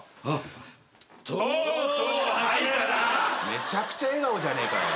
めちゃくちゃ笑顔じゃねえかよ。